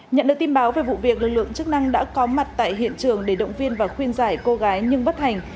nhận được tin báo về vụ việc lực lượng chức năng đã có mặt tại hiện trường để động viên và khuyên giải cô gái nhưng bất hành